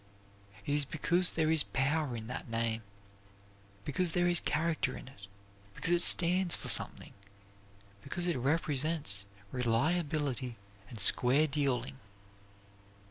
It is because there is power in that name; because there is character in it; because it stands for something; because it represents reliability and square dealing.